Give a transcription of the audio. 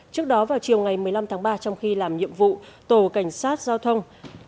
trước đó vào chiều ngày một mươi năm tháng ba trong khi làm nhiệm vụ tổ cảnh sát giao thông